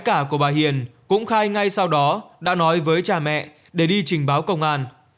cả của bà hiền cũng khai ngay sau đó đã nói với cha mẹ để đi trình báo công an